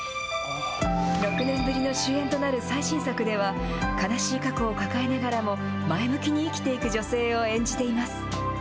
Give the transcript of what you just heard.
６年ぶりの主演となる最新作では、悲しい過去を抱えながらも前向きに生きていく女性を演じています。